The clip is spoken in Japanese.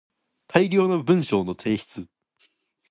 大量の文章の提出